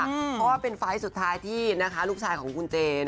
เพราะว่าเป็นไฟล์สุดท้ายที่ลูกชายของคุณเจ